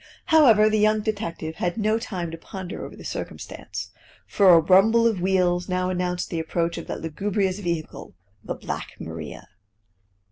However, the young detective had no time to ponder over the circumstance, for a rumble of wheels now announced the approach of that lugubrious vehicle, the Black Maria.